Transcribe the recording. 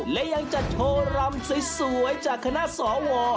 และยังจัดโชว์รำสวยจากคณะสว